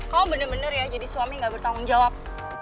kau bener bener ya jadi suami gak bertanggung jawab